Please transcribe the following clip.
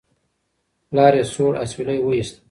پلار یې سوړ اسویلی وایست.